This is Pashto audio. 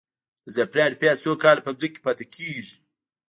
د زعفرانو پیاز څو کاله په ځمکه کې پاتې کیږي؟